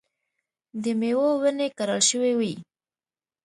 د مېوو ونې کرل شوې وې.